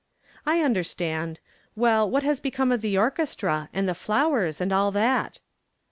"I understand. Well, what has become of the orchestra, and the flowers, and all that?"